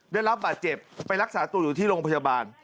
ได้รับบาดเจ็บไปรักษาตัวอยู่ที่โรงพยาบาล